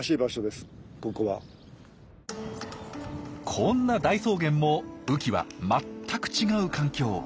こんな大草原も雨季は全く違う環境。